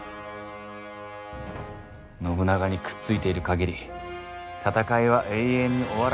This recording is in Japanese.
信長にくっついている限り戦いは永遠に終わらん無間地獄じゃ！